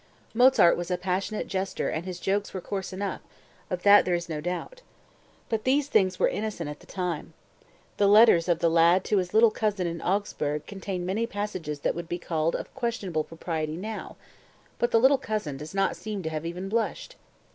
Mozart was a passionate jester and his jokes were coarse enough; of that there is no doubt. But these things were innocent at the time. The letters of the lad to his little cousin in Augsburg contain many passages that would be called of questionable propriety now; but the little cousin does not seem to have even blushed.